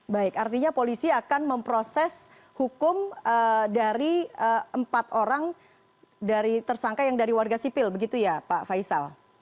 baik artinya polisi akan memproses hukum dari empat orang tersangka yang dari warga sipil begitu ya pak faisal